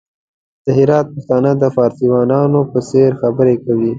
د هرات پښتانه د فارسيوانانو په څېر خبري کوي!